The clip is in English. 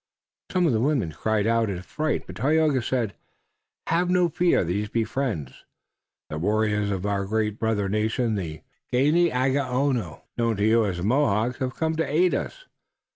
Some of the women cried out in fright, but Tayoga said: "Have no fear. These be friends. The warriors of our great brother nation, the Ganeagaono, known to you as the Mohawks, have come to aid us."